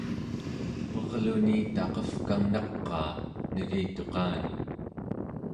merluni taqevkangnaqaa negituqani